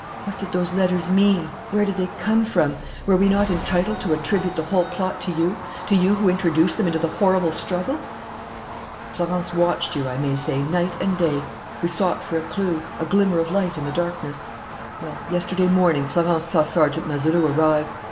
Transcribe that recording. What did those letters mean? Where did they come from? Were we not entitled to attribute the whole plot to you, to you who introduced them into the horrible struggle? "Florence watched you, I may say, night and day. We sought for a clue, a glimmer of light in the darkness.... Well, yesterday morning, Florence saw Sergeant Mazeroux arrive.